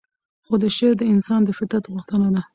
خو شعر د انسان د فطرت غوښتنه ده.